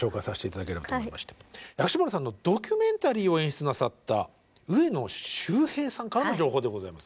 薬師丸さんのドキュメンタリーを演出なさった上野修平さんからの情報でございます。